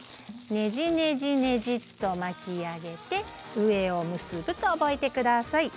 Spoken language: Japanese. ねじねじねじっと巻き上げて上を結ぶと覚えて下さい。